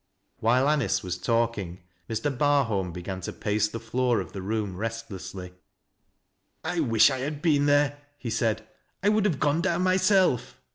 While Anice was talking, Mr. Barholm began to pace the floor of the room restlessly. "I wish I had been there," he said. "I would have gone down myself."